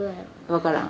分からん？